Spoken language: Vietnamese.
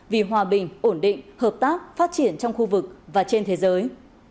vì hòa bình ổn định hợp tác phát triển trong khu vực và trên thế giới